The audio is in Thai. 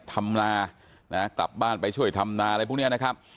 ทำนานะกลับบ้านไปช่วยทำนาอะไรพวกนี้นะครับ